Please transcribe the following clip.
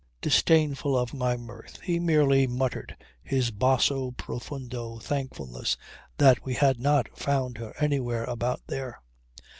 Disdainful of my mirth he merely muttered his basso profundo thankfulness that we had not found her anywhere about there.